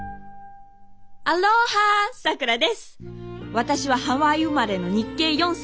私はハワイ生まれの日系４世。